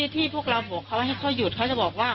ที่พวกเราบอกเขาให้เขาหยุดเขาจะบอกว่า